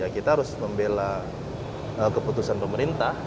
kita harus membela keputusan pemerintah